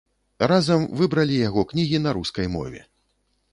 Разам выбралі яго кнігі на рускай мове.